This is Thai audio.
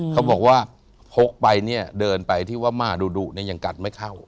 เขาบอกว่าพกไปเนี่ยเดินไปที่ว่าม่าดุดุเนี่ยยังกัดไม่เข้า